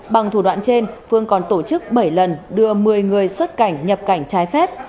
bằng thủ đoạn trên phương còn tổ chức bảy lần đưa một mươi người xuất cảnh nhập cảnh trái phép